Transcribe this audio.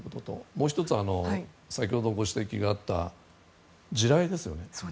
もう１つは先ほどご指摘があった地雷ですよね。